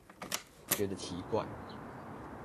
覺得奇怪